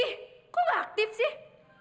ih kok aktif sih